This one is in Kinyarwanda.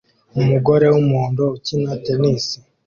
Umugore wumuhondo ukina tennis